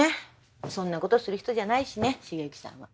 そんなことする人じゃないしね繁行さんは。